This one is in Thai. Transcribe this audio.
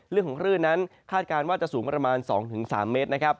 เรื่องของคลื่นนั้นคาดการณ์ว่าจะสูงประมาณ๒๓เมตร